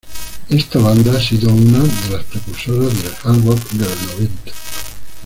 Esta banda ha sido una de las precursoras del hard rock de los noventa.